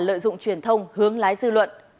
lợi dụng truyền thông hướng lái dư luận